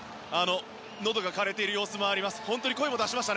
のどがかれている様子もあります。